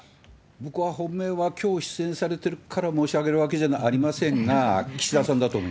僕は本命はきょう出演されてるから申し上げるわけじゃありま岸田さん。